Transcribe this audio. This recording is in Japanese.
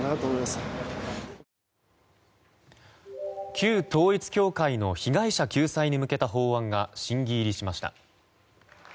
旧統一教会の被害者救済に向けた法案が審議入りしました。